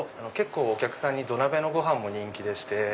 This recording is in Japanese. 結構お客さんに土鍋のご飯も人気でして。